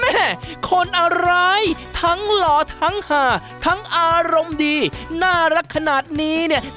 คนอะไรทั้งหล่อทั้งหาทั้งอารมณ์ดีน่ารักขนาดนี้เนี่ย